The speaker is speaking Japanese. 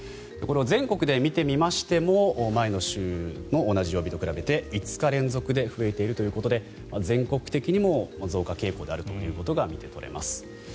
これは全国で見てみましても前の週の同じ曜日と比べて５日連続で増えているということで全国的にも増加傾向であるということが見て取れます。